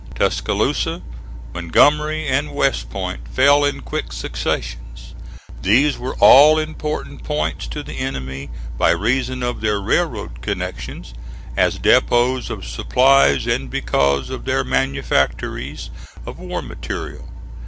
Tuscaloosa, Montgomery and West Point fell in quick succession. These were all important points to the enemy by reason of their railroad connections, as depots of supplies, and because of their manufactories of war material.